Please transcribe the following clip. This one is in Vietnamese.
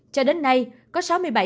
cho đến nay có sáu mươi bảy ba